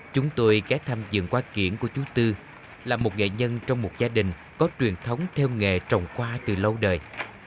chúng tôi ghé thăm dường qua kiển của chú tư là một nghệ nhân trong một gia đình có truyền thống theo nghề trồng hoa từ lâu đời